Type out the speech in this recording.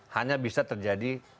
hanya bisa terjadi